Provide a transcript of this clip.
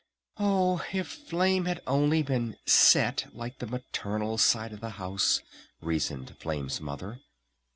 "Oh if Flame had only been 'set' like the maternal side of the house!" reasoned Flame's Mother.